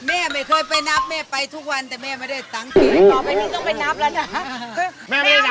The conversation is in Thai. แม่ไม่เคยไปนับแม่ไปทุกวันแต่แม่ไม่ได้ตั้งสิน